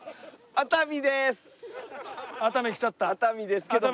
熱海ですけども。